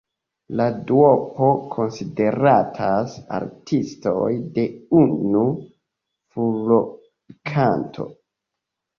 La duopo konsideratas artistoj de unu furorkanto.